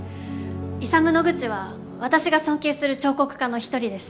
イサム・ノグチは私が尊敬する彫刻家の一人です。